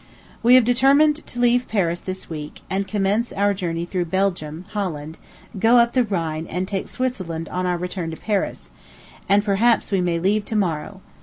We have determined to leave Paris this week, and commence our journey through Belgium, Holland, go up the Rhine, and take Switzerland on our return to Paris and perhaps we may leave to morrow.